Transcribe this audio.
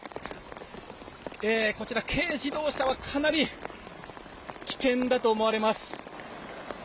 こちら、軽自動車はかなり危険だと思われます。